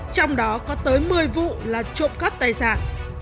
trong đó có tới một mươi vụ là trộm cắp tài sản